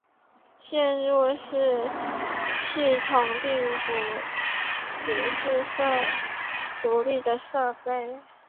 嵌入式系统并不总是独立的设备。